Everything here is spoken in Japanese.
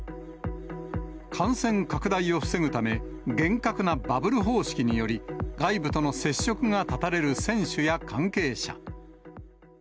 感染拡大を防ぐため、厳格なバブル方式により、外部との接触が絶たれる選手や関係者。